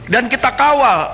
dan kita kawal